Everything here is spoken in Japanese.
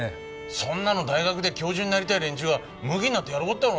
そんなの大学で教授になりたい連中がむきになってやる事だろ。